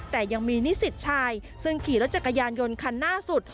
แต่ยังมีนิสิตชายซึ่งขี่รถจักรยานยนต์คันหน้าสุด